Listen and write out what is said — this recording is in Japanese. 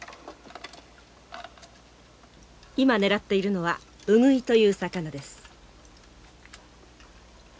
今狙っているのはウグイという魚です。